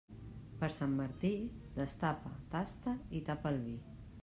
Per Sant Martí, destapa, tasta i tapa el vi.